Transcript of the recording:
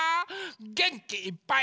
げんきいっぱい。